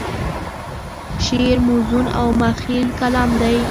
شعر موزون او مخیل کلام دی.